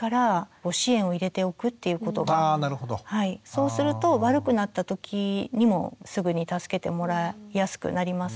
そうすると悪くなった時にもすぐに助けてもらいやすくなりますので。